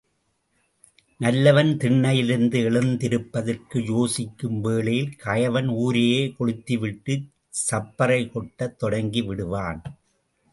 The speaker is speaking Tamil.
நல்லவன் திண்ணையிலிருந்து எழுந்திருப்பதற்கு யோசிக்கும் வேளையில் கயவன் ஊரையே கொளுத்திவிட்டுச் சாப்பறை கொட்டத் தொடங்கிவிடுவான்.